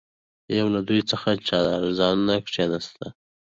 یو له دوی څخه چارزانو کښېنستی.